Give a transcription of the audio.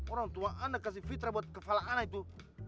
orang tua anda kasih fitra buat kepala anak itu